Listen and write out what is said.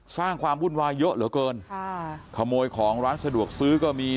สร้างความวุ่นวายเยอะเหลือเกินค่ะขโมยของร้านสะดวกซื้อก็มี